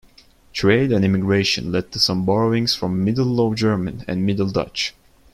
Trade and immigration led to some borrowings from Middle Low German and Middle Dutch.